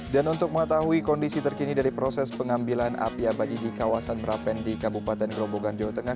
dan untuk mengetahui kondisi terkini dari proses pengambilan api abadi di kawasan merapen di kabupaten gelombokan jawa tengah